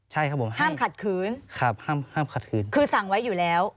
ห้ามร้องห้ามขัดขืนคือสั่งไว้อยู่แล้วคือสั่งไว้อยู่แล้ว